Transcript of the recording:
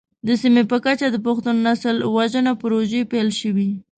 د سیمې په کچه د پښتون نسل وژنه پروژې پيل شوې.